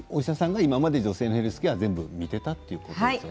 今まで女性のヘルスケア見ていたということなんですね。